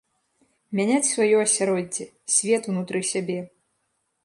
Мяняць сваё асяроддзе, свет унутры сябе.